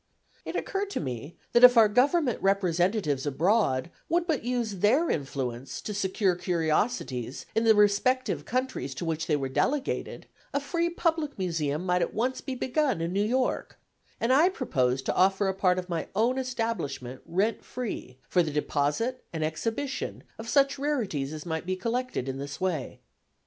It occurred to me that if our government representatives abroad would but use their influence to secure curiosities in the respective countries to which they were delegated, a free public Museum might at once be begun in New York, and I proposed to offer a part of my own establishment rent free for the deposit and exhibition of such rarities as might be collected in this way.